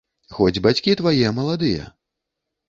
Хоць бацькі твае маладыя.